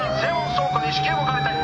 倉庫に至急向かわれたい」